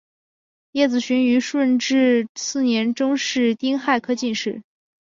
叶子循于顺治四年中式丁亥科进士。